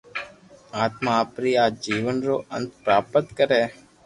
آتما آپري آ جيون رو انت پراپت ڪري